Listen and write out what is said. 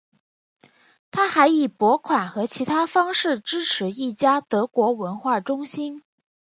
他还以拨款和其他方式支持一家德国文化中心。